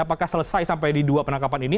apakah selesai sampai di dua penangkapan ini